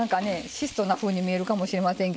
質素なふうに見えるかもしれませんけど。